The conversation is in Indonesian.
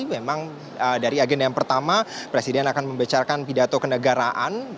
memang dari agenda yang pertama presiden akan membesarkan pidato kenegaraan